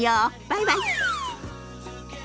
バイバイ。